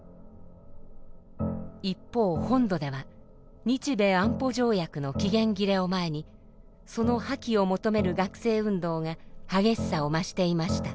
一方本土では日米安保条約の期限切れを前にその破棄を求める学生運動が激しさを増していました。